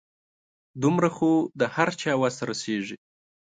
دومره خو د هر چا وس رسيږي .